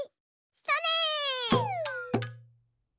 それ！